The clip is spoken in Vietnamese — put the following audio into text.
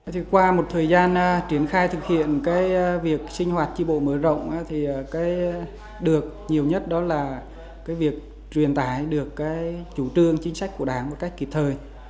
thì qua một thời gian triển khai thực hiện cái việc sinh hoạt tri bộ mở rộng thì được nhiều nhất đó là cái việc truyền tải được cái chủ trương chính sách của đảng một cách kịp thời